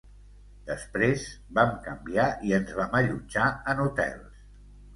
Després vam canviar i ens vam allotjar en hotels.